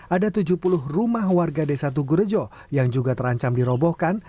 ada tujuh puluh rumah warga desa tugurejo yang juga terancam dirobohkan